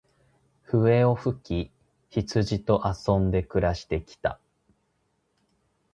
笛を吹き、羊と遊んで暮して来た。